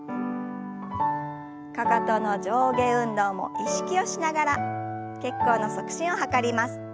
かかとの上下運動も意識をしながら血行の促進を図ります。